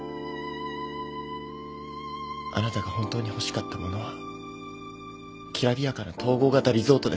あなたが本当に欲しかったものはきらびやかな統合型リゾートですか？